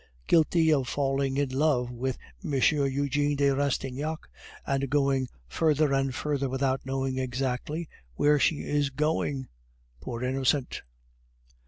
"Guilty of falling in love with M. Eugene de Rastignac and going further and further without knowing exactly where she is going, poor innocent!"